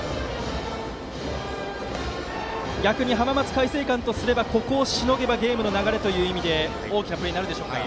逆に浜松開誠館とすればここをしのげばゲームの流れという意味で大きなプレーになりますか？